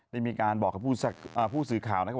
ได้มีการบอกกับผู้สื่อข่าวนะครับ